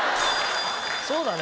そうだね。